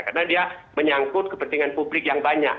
karena dia menyangkut kepentingan publik yang banyak